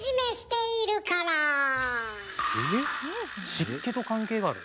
湿気と関係がある？